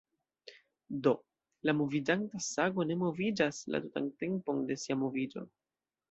Do, la moviĝanta sago ne moviĝas la tutan tempon de sia moviĝo".